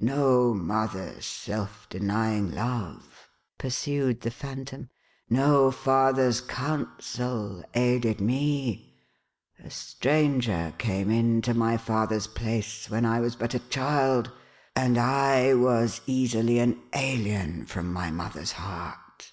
"No mother's self denying love," pursued the Phantom, "no father's counsel, aided me. A stranger came into my father's place when I was but a child, and I was easily an alien from my mother's heart.